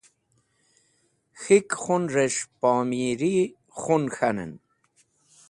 K̃hik Khun res̃h Pomiri Khun K̃hanen.